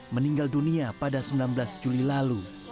meninggal dunia pada sembilan belas juli lalu